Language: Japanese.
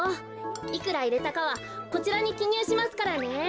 いくらいれたかはこちらにきにゅうしますからね。